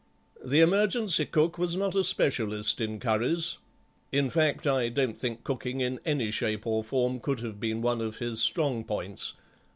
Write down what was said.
The emergency cook was not a specialist in curries, in fact, I don't think cooking in any shape or form could have been one of his strong points.